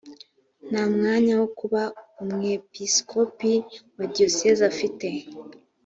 nta mwanya wo kuba umwepiskopi wa diyosezi afite